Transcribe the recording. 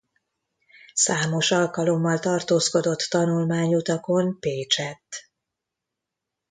Számos alkalommal tartózkodott tanulmányutakon Pécsett.